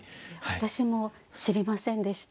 私も知りませんでした。